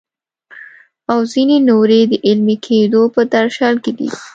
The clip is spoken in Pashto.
او ځینې نورې د عملي کیدو په درشل کې دي.